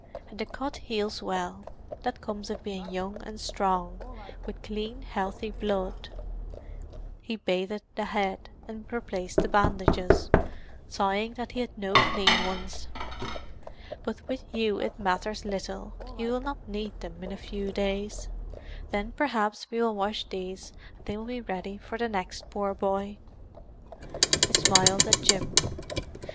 And the cut heals well; that comes of being young and strong, with clean, healthy blood." He bathed the head, and replaced the bandages, sighing that he had no clean ones. "But with you it matters little; you will not need them in a few days. Then perhaps we will wash these and they will be ready for the next poor boy." He smiled at Jim.